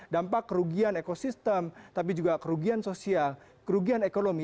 dampak kerugian ekosistem tapi juga kerugian sosial kerugian ekonomi